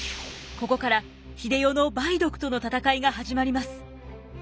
ここから英世の梅毒との闘いが始まります。